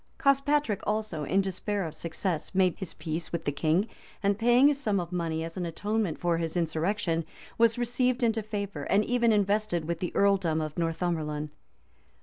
[] Cospatric also, in despair of success, made his peace with the king, and paying a sum of money as an atonement for his insurrection, was received into favor, and even invested with the earldom of Northumberland.